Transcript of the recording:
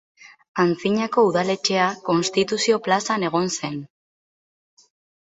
Antzinako udaletxea Konstituzio plazan egon zen.